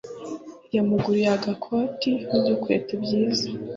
Yamuguriye agakoti n’udukweto byiza